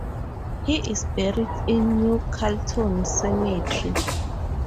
He is buried in New Calton Cemetery.